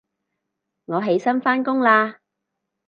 我起身返工喇